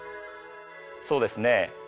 そうですね。